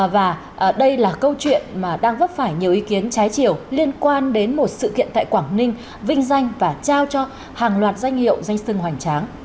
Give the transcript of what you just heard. và đây là câu chuyện mà đang vấp phải nhiều ý kiến trái chiều liên quan đến một sự kiện tại quảng ninh vinh danh và trao cho hàng loạt danh hiệu danh sưng hoành tráng